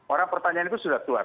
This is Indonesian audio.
orang pertanyaan itu sudah keluar